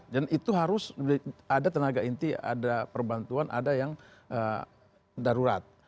dan itu harus ada tenaga inti ada perbantuan ada yang darurat